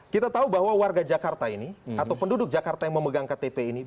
kita tahu bahwa warga jakarta ini atau penduduk jakarta yang memegang ktp ini